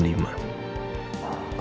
sekitar jam lima